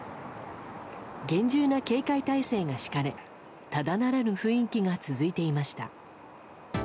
厳重な警戒態勢が敷かれただならぬ雰囲気が続いていました。